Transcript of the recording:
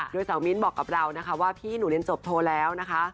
โดยสาวมิ้นบอกกับเรานะคะว่าพี่หนูเรียนจบโทรแล้วนะคะ